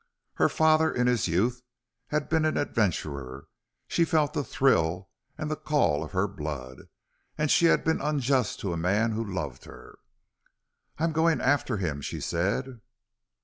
Her father in his youth had been an adventurer. She felt the thrill and the call of her blood. And she had been unjust to a man who loved her. "I'm going after him," she said.